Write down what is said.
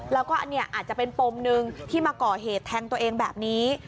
แล้วก็อันนี้อาจจะเป็นปมหนึ่งที่มาก่อเหตุแทงตัวเองแบบนี้